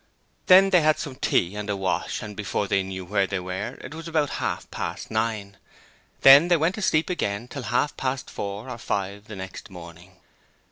Then they had some tea and a wash and before they knew where they were it was about half past nine. Then they went to sleep again till half past four or five the next morning.